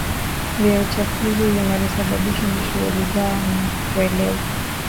vya uchafuzi vinavyosababishwa na shughuli zao na kueleza